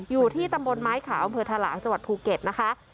อยู่ที่ตำบลไม้ขาวอำเภอทะหลางจังหวัดภูเก็ตนะคะ